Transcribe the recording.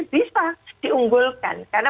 bisa diunggulkan karena